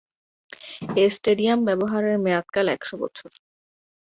এ stadium ব্যবহারের মেয়াদ কাল এক শো বছর।